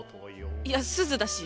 いやすずだし。